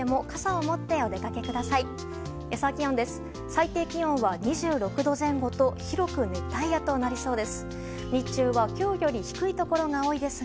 最低気温は２６度前後と広く熱帯夜となりそうです。